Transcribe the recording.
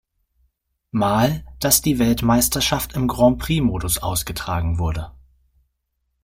Mal, dass die Weltmeisterschaft im Grand-Prix-Modus ausgetragen wurde.